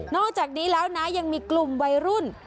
อกจากนี้แล้วนะยังมีกลุ่มวัยรุ่น